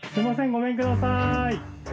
ごめんくださーい。